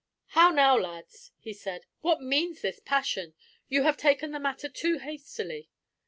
"How now, lads!" he said, "what means this passion? You have taken the matter too hastily.